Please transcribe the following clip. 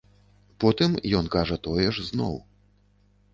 Потым ён кажа тое ж зноў.